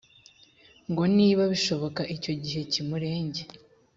ngo niba bishoboka icyo gihe kimurenge